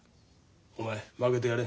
お前負けてやれ。